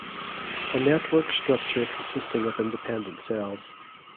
A network structure consisting of independent cells.